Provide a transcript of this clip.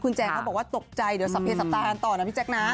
คุณแจงเขาบอกว่าตกใจเดี๋ยวสับเยสับตากันต่อนะพี่แจ๊คนะ